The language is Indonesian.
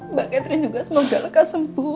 mbak catherine juga semoga leka sembuh